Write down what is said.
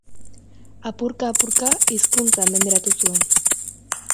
Apurka-apurka hizkuntza menderatu zuen.